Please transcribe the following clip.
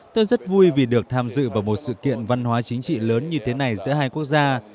tôi rất vui vì được tham dự vào một sự kiện văn hóa chính trị lớn như thế này giữa hai quốc gia